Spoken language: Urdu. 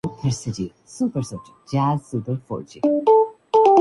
مدد کے لیے استعمال ہو سکتا ہے